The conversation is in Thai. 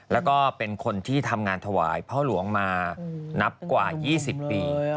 แล้วก็เป็นคนที่ทำงานถวายพ่อหลวงมานับกว่า๒๐ปี